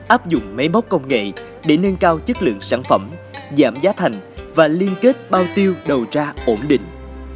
áp dụng máy móc công nghệ để nâng cao chất lượng sản phẩm giảm giá thành và liên kết bao tiêu đầu ra ổn định